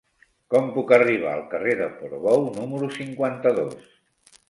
Com puc arribar al carrer de Portbou número cinquanta-dos?